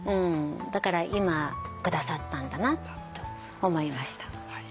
だから今下さったんだなと思いました。